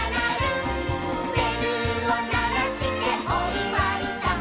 「べるをならしておいわいだ」